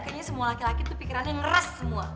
kayanya semua laki laki tuh pikirannya ngeras semua